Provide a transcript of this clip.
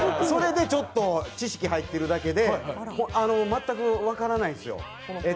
それでちょっと知識入ってるだけで全く分からないんですよ。